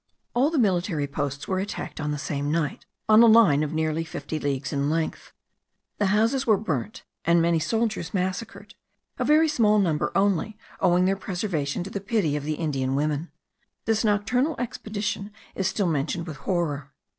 All the military posts were attacked on the same night, on a line of nearly fifty leagues in length. The houses were burnt, and many soldiers massacred; a very small number only owing their preservation to the pity of the Indian women. This nocturnal expedition is still mentioned with horror.